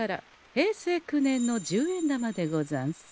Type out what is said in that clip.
平成９年の十円玉でござんす。